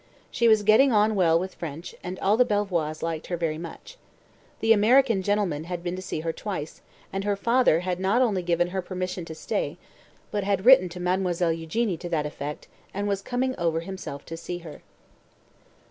She was getting on well with French, and all the Belvoirs liked her very much. The "American gentleman" had been to see her twice, and her father had not only given her permission to stay, but had written to Mademoiselle Eugenie to that effect, and was coming over himself to see her.